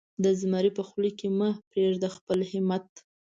د زمري په خوله کې مه پرېږده خپل همت.